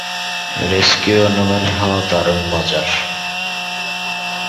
Rescue animal হওয়া দারুণ মজার!